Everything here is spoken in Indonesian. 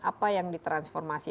apa yang ditransformasi